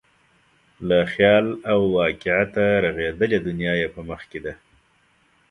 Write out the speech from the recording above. له خیال او واقعیته رغېدلې دنیا یې په مخ کې ده.